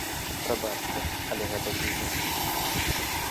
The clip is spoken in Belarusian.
Прабачце, але гэта бізнэс.